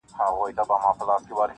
دکلو تږي درې به -